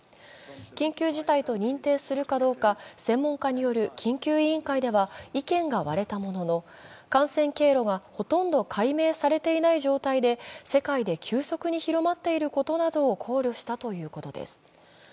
緊急事態と認定するかどうか、専門家による緊急委員会では意見が割れたものの感染経路がほとんど解明されていない状態で世界で急速に広まっていることなどを考慮したということです。